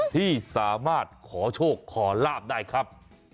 ที่สามารถขอโชคขอลาบได้ครับ